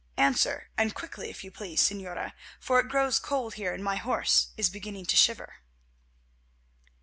Answer, and quickly, if you please, Señora, for it grows cold here and my horse is beginning to shiver."